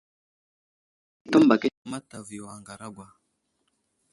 Təmbak i asla mataviyo a ŋaragwa.